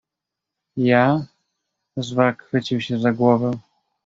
"Ja?“ Zwak chwycił się za głowę."